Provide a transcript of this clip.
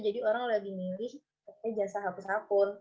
jadi orang lagi milih jasa hapus akun